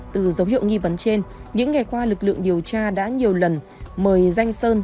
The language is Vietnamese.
từ dấu hiệu nghi vấn trên những ngày qua lực lượng điều tra đã nhiều lần mời danh sơn